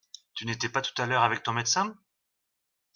Tu n’étais pas tout à l’heure avec ton médecin ?